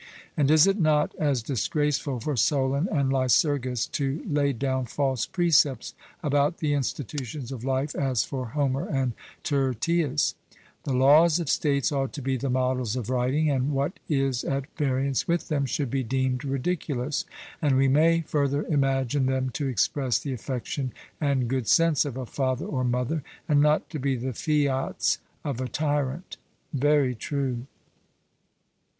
And is it not as disgraceful for Solon and Lycurgus to lay down false precepts about the institutions of life as for Homer and Tyrtaeus? The laws of states ought to be the models of writing, and what is at variance with them should be deemed ridiculous. And we may further imagine them to express the affection and good sense of a father or mother, and not to be the fiats of a tyrant. 'Very true.'